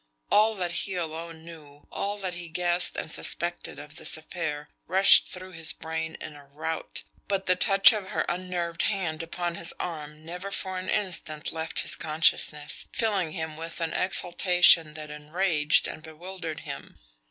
All that he alone knew, all that he guessed and suspected of this affair rushed through his brain in a rout; but the touch of her unnerved hand upon his arm never for an instant left his consciousness, filling him with an exaltation that enraged and bewildered him.